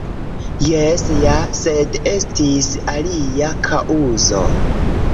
Jes ja, sed estis alia kaŭzo.